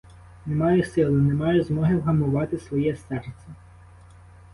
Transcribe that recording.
Не маю сили, не маю змоги вгамувати своє серце.